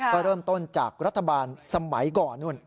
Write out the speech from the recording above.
ก็เริ่มต้นจากรัฐบาลสมัยก่อนนู่น